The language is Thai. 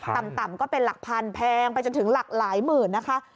ต่ำก็เป็นหลักพันแพงไปจนถึงหลักหลายหมื่นนะคะ